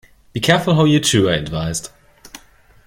"Be careful how you chew," I advised..